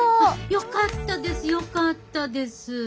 よかったですよかったです。